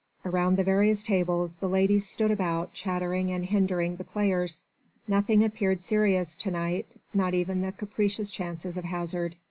Around the various tables the ladies stood about, chattering and hindering the players. Nothing appeared serious to night, not even the capricious chances of hazard.